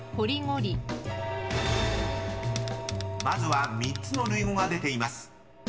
［まずは３つの類語が出ています］